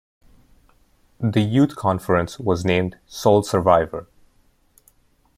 The youth conference was named Soul Survivor.